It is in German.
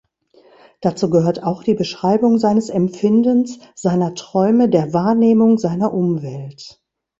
Dazu gehört auch die Beschreibung seines Empfindens, seiner Träume, der Wahrnehmung seiner Umwelt.